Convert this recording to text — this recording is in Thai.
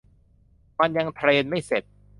มันยังเทรนไม่เสร็จ